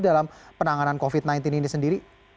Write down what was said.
dalam penanganan covid sembilan belas ini sendiri